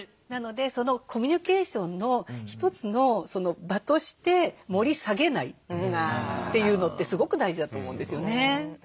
なのでコミュニケーションの一つの場として盛り下げないっていうのってすごく大事だと思うんですよね。